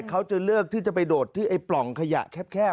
เขาจะเลือกที่จะไปโดดที่ไอ้ปล่องขยะแคบ